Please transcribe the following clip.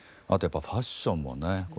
やっぱファッションもね